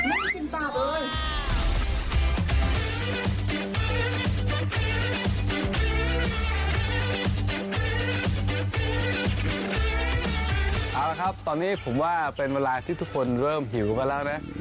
เอาละครับตอนนี้ผมว่าเป็นเวลาที่ทุกคนเริ่มหิวกันแล้วนะ